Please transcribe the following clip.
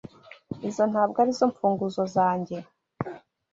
Izo ntabwo arizo mfunguzo zanjye.